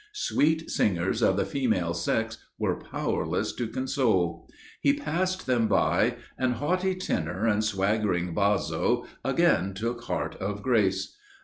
Sweet singers of the female sex were powerless to console. He passed them by, and haughty tenor and swaggering basso again took heart of grace.